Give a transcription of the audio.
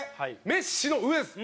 メッシの上です。